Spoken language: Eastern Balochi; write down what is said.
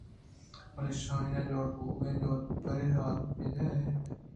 بلے شاہین جوڑ بُوہگ ءِ جُہد ءَ پرے حال ءَ اِنت